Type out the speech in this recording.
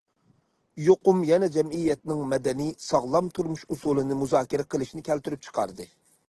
يۇقۇم يەنە جەمئىيەتنىڭ مەدەنىي، ساغلام تۇرمۇش ئۇسۇلىنى مۇزاكىرە قىلىشىنى كەلتۈرۈپ چىقاردى.